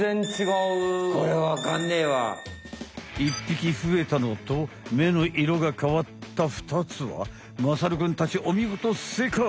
１匹増えたのと目の色が変わった２つはまさるくんたちおみごと正解。